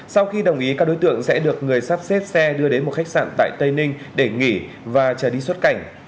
sau khi đồng ý các đối tượng sẽ được người sắp xếp xe đưa đến một khách sạn tại tây ninh để nghỉ và trở đi xuất cảnh